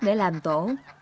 để làm tổ